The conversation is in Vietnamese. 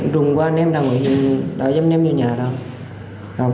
rùng qua ném ra ngoài đói dấm ném vô nhà đâu